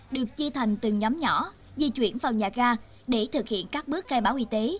được chi thành từng nhóm nhỏ di chuyển vào nhà ga để thực hiện các bước khai báo y tế